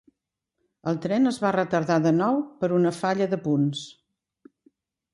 El tren es va retardar de nou per una falla de punts